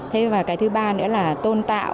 thứ ba nữa là tôn tạo